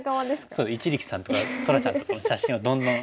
そう一力さんとか虎ちゃんとかの写真をどんどん。